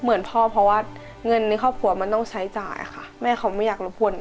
เหมือนพ่อเพราะว่าเงินในครอบครัวมันต้องใช้จ่ายค่ะแม่เขาไม่อยากรบกวน